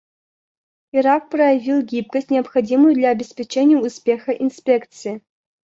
Ирак проявил гибкость, необходимую для обеспечения успеха инспекции.